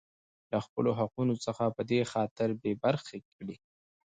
لـه خـپـلو حـقـونـو څـخـه پـه دې خاطـر بـې بـرخـې کـړي.